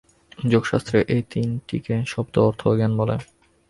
যোগশাস্ত্রে এই তিনটিকে শব্দ, অর্থ ও জ্ঞান বলে।